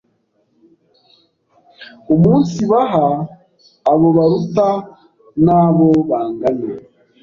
umunsibaha abo baruta n’abo bangana.